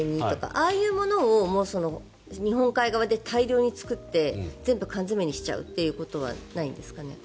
ああいうものを日本海側で大量に作って全部、缶詰にしちゃうことはないんですかね？